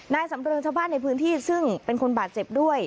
สำเริงชาวบ้านในพื้นที่ซึ่งเป็นคนบาดเจ็บด้วย